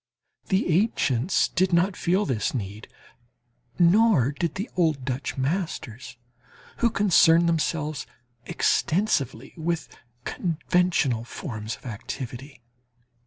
The ancients did not feel this need, nor did the old Dutch masters, who concerned themselves extensively with conventional forms of activity.